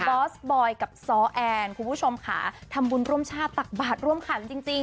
อสบอยกับซ้อแอนคุณผู้ชมค่ะทำบุญร่วมชาติตักบาทร่วมขันจริง